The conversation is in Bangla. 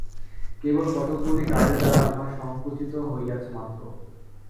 কেবল কতকগুলি কাজের দ্বারা উহা সঙ্কুচিত হইয়াছে মাত্র।